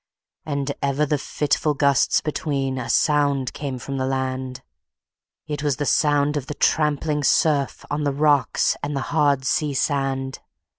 And ever the fitful gusts between A sound came from the land; It was the sound of the trampling surf, On the rocks and the hard sea sand.